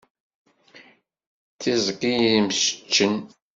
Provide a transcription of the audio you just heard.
D tiẓgi yemseččen.